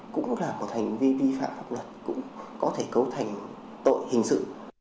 cũng là một hành vi vi phạm pháp luật cũng có thể cấu thành tội hình sự